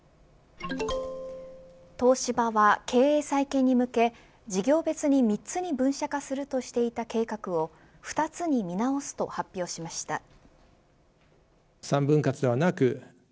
東芝は経営再建に向け事業別に３つに分社化するとしていた計画を２つに見直すと発表しました。